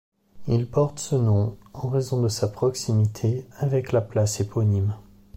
Il porte ce nom en raison de sa proximité avec la place éponyme.